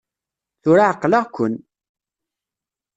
Tura ɛeqleɣ-ken!